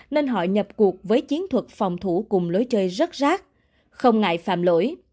nên họ nhập cuộc với chiến thuật phòng thủ cùng lối chơi rất rác không ngại phạm lỗi